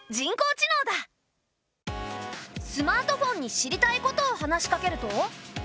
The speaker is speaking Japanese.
スマートフォンに知りたいことを話しかけると。